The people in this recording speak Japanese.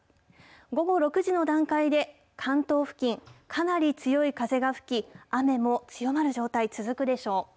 午後６時の段階で、関東付近、かなり強い風が吹き、雨も強まる状態、続くでしょう。